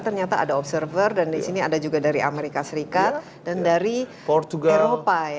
ternyata ada observer dan di sini ada juga dari amerika serikat dan dari eropa